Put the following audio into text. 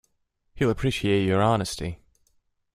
He'll appreciate your honesty.